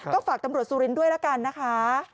ก็ฝากตำรวจสุรินทร์ด้วยละกันนะคะ